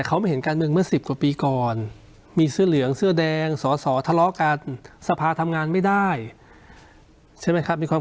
ฝั่งฝั่งฝั่งฝั่งฝั่งฝั่งฝั่งฝั่งฝั่งฝั่งฝั่งฝั่ง